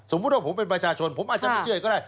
ว่าผมเป็นประชาชนผมอาจจะไม่เชื่อก็ได้